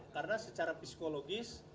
karena secara psikologis